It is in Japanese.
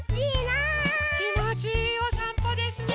きもちいいおさんぽですね。